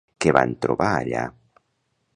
Què van trobar allà?